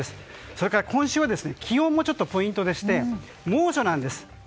それから今週は気温もポイントで猛暑なんです。